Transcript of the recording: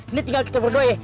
ini tinggal kita berdua ya